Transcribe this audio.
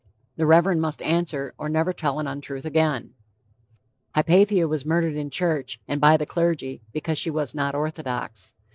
The Reverend must answer, or never tell an untruth again. Hypatia was murdered in church, and by the clergy, because she was not orthodox.